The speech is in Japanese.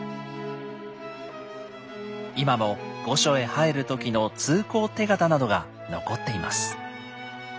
今も御所へ入る時の通行手形などが残っています。